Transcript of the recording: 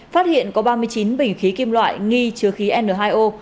phát hiện có ba mươi chín bình khí kim loại nghi chứa khí n hai o